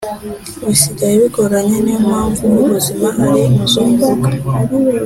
Bisigaye bigoranye niyompamvu ubuzima ari muzunguruka